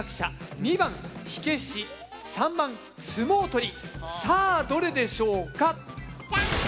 ２番「火消し」３番「相撲取り」さあどれでしょうか。